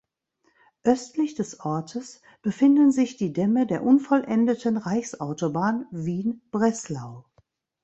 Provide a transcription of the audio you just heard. Östlich des Ortes befinden sich die Dämme der unvollendeten Reichsautobahn Wien-Breslau.